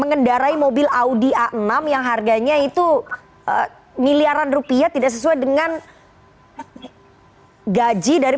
mengendarai mobil audi a enam yang harganya itu miliaran rupiah tidak sesuai dengan gaji dari